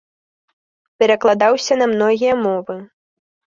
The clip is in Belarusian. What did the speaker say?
Перакладаўся на многія мовы.